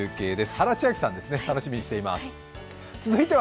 原千晶さんですね、楽しみにしています。